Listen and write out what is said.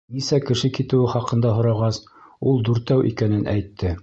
Нисә кеше китеүе хаҡында һорағас, ул дүртәү икәнен әйтте.